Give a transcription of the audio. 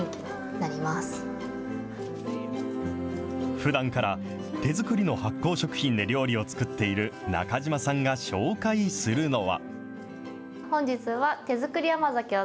ふだんから手作りの発酵食品で料理を作っている中島さんが紹介するのは。